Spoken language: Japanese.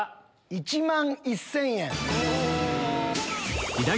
１万１０００円。